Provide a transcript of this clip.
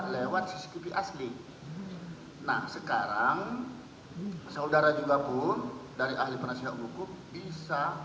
lewat cctv asli nah sekarang saudara juga pun dari ahli penasihat hukum bisa